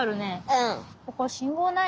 うん。